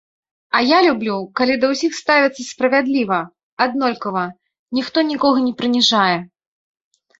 А я люблю, калі да ўсіх ставяцца справядліва, аднолькава, ніхто нікога не прыніжае.